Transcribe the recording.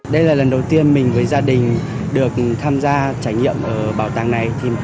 đây là lần đầu tiên mình với gia đình được tham gia trải nghiệm ở bảo tàng này